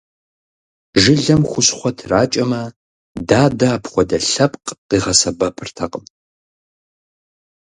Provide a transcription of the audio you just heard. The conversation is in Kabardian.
Жылэм хущхъуэ тракӀэмэ, дадэ апхуэдэ лъэпкъ къигъэсэбэпыртэкъым.